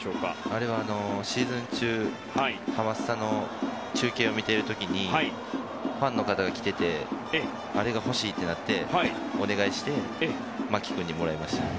あれはシーズン中ハマスタの中継を見ている時にファンの方が着ていてあれが欲しいとなってお願いして牧君にもらいました。